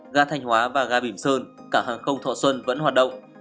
nga thanh hóa và nga bìm sơn cả hàng không thọ xuân vẫn hoạt động